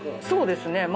そうですね